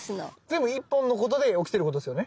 全部１本のことで起きてることですよね？